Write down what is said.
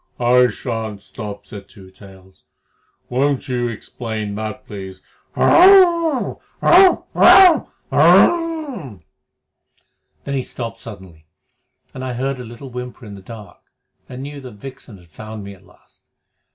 "I shan't stop," said Two Tails. "Won't you explain that, please? Hhrrmph! Rrrt! Rrrmph! Rrrhha!" Then he stopped suddenly, and I heard a little whimper in the dark, and knew that Vixen had found me at last.